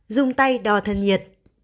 dùng tay đo thân nhiệt